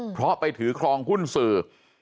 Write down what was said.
เพราะไปถือครองหุ้นสื่อ